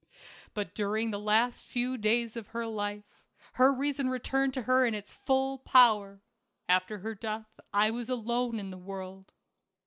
But during the last few days of her life, her reason returned to her in its full power. After her death I was alone in the world.